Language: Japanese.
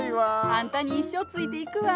あんたに一生付いていくわぁ。